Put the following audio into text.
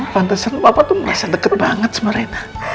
pantesan papa tuh merasa deket banget sama rena